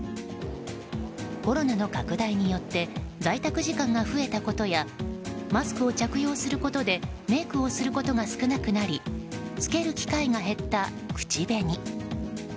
コロナの拡大によって在宅時間が増えたことやマスクを着用することでメイクをすることが少なくなりつける機会が減った口紅。